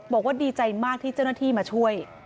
บอกว่าดีใจมากที่เจ้าหน้าที่มาช่วย